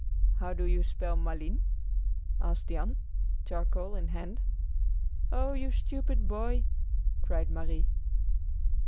"How do you spell Malines?" asked Jan, charcoal in hand. "Oh, you stupid boy!" cried Marie.